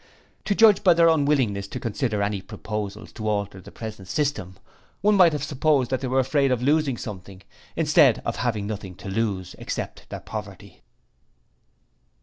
To judge by their unwillingness to consider any proposals to alter the present system, one might have supposed that they were afraid of losing something, instead of having nothing to lose except their poverty.